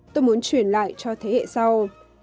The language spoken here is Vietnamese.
tôi muốn chuyển lại cho thế hệ sau